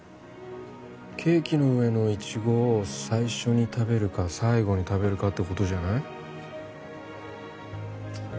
ケーキの上のイチゴを最初に食べるか最後に食べるかってことじゃない？